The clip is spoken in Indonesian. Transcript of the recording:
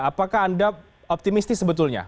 apakah anda optimistis sebetulnya